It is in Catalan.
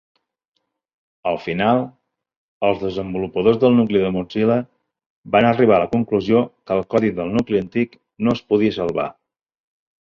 Al final, els desenvolupadors del nucli de Mozilla van arribar a la conclusió que el codi del nucli antic no es podia salvar.